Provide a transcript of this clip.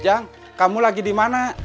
jang kamu lagi dimana